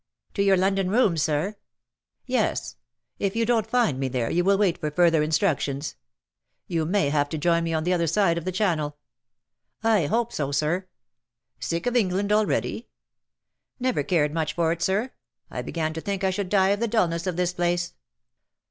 '^" To your London rooms^ Sir T* " Yes. If you don't find me there you will wait for further instructions. You may have to join me on the other side of the channel.^' '' I hope so, Sir. *'" Sick of England already ?"" Never cared much for it, Sir. I began to think I should die of the dulness of this place.